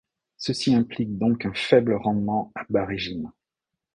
Ceci implique donc un faible rendement à bas régime.